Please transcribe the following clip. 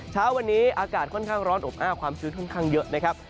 เช้าวันนี้อากาศค่อนข้างร้อนอบอ้าวความชื้นค่อนข้างเยอะนะครับ